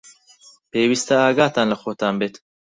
پێویستە ئاگاتان لە خۆتان بێت.